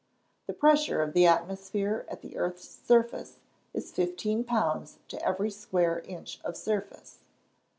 _ The pressure of the atmosphere at the earth's surface is fifteen pounds to every square inch of surface.